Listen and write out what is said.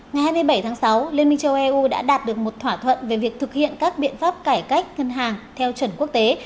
ngày hai mươi bảy tháng sáu liên minh châu âu đã đạt được một thỏa thuận về việc thực hiện các biện pháp cải cách ngân hàng theo chuẩn quốc tế